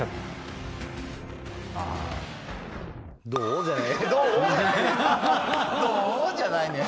「どう？」じゃない。